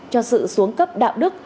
cho sự xuống cấp đạo đức